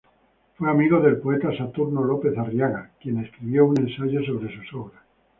Fue amigo del poeta Saturno López Arriaga, quien escribió un ensayo sobre sus obras.